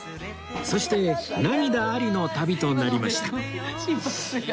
そして涙ありの旅となりました